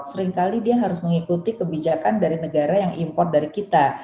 seringkali dia harus mengikuti kebijakan dari negara yang import dari kita